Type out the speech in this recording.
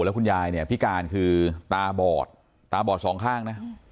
แล้วคุณยายเนี่ยพิการคือตาบอดตาบอดสองข้างนะ